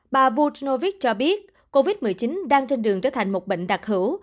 bà voudnovich cho biết covid một mươi chín đang trên đường trở thành một bệnh đặc hữu